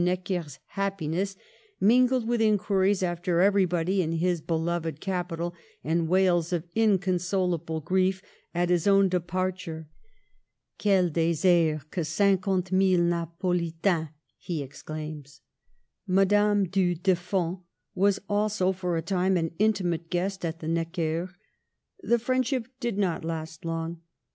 Necker's happiness, ming led with inquiries after everybody in the beloved capital, and wails of inconsolable grief at his own departure. H Quel dtsert que tinquante mille Na politains!" he exclaims. Madame Du Deffand was also for a time an intimate guest at the NeckersV The friendship did not last long.